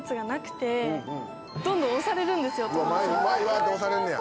前にわって押されんねや？